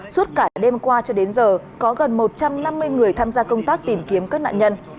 suốt cả đêm qua cho đến giờ có gần một trăm năm mươi người tham gia công tác tìm kiếm các nạn nhân